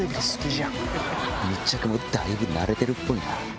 密着もだいぶ慣れてるっぽいな。